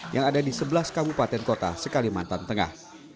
yang ada di sebelas kabupaten kota sekalimantan tengah